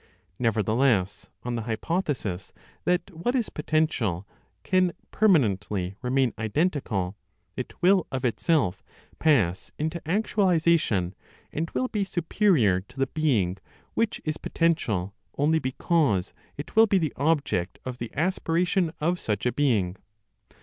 Nevertheless, on the hypothesis that what is potential can permanently remain identical, it will of itself pass into actualization, and will be superior to the being which is potential only because it will be the object of the aspiration of such a being.